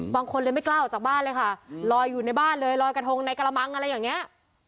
บางคนเลยไม่กล้าออกจากบ้านเลยค่ะลอยอยู่ในบ้านเลยลอยกระทงในกระมังอะไรอย่างนี้